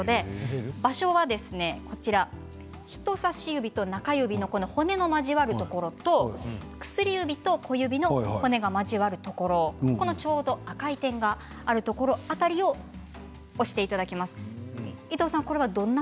場所は人さし指と中指の骨の交わるところ薬指と小指の骨が交わるところ赤い点の辺りを押していただきます。